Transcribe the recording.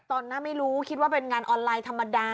ตอนนั้นไม่รู้คิดว่าเป็นงานออนไลน์ธรรมดา